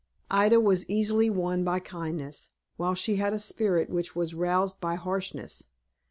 Ida was easily won by kindness, while she had a spirit which was roused by harshness.